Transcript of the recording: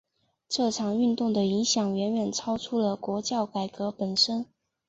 这场运动的影响远远超出了国教改革本身。